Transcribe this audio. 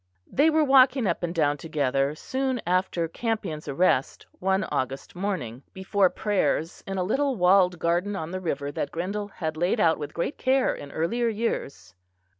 They were walking up and down together, soon after Campion's arrest, one August morning before prayers in a little walled garden on the river that Grindal had laid out with great care in earlier years.